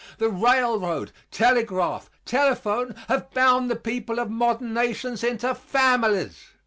The railroad, telegraph, telephone have bound the people of modern nations into families.